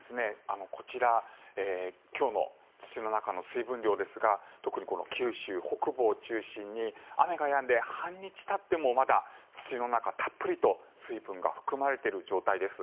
こちら、今日の土の中の水分量ですが特に九州北部を中心に雨がやんで半日たってもまだ土の中、たっぷりと水分が含まれている状態です。